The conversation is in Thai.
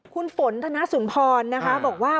คุณฝนธนาสุนพรบอกว่า